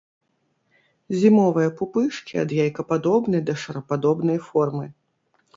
Зімовыя пупышкі ад яйкападобнай да шарападобнай формы.